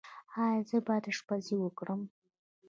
ایا زه باید اشپزي وکړم؟